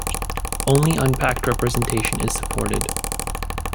Only unpacked representation is supported.